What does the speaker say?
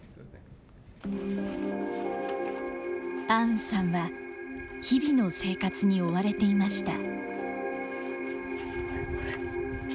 アウンさんは、日々の生活に追われていました。